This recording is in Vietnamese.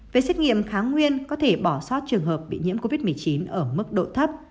về xét nghiệm kháng nguyên có thể bỏ sót trường hợp bị nhiễm covid một mươi chín ở mức độ thấp